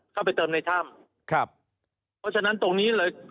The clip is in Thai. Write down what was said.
เข้าไปเติมในถ้ำครับเพราะฉะนั้นตรงนี้เลย